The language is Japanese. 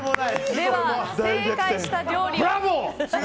では正解した料理を。